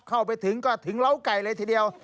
เข้าไปถึงก็ถึงเล้าไก่เลยทีเดียว